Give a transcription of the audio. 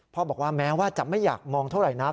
บอกว่าแม้ว่าจะไม่อยากมองเท่าไหร่นัก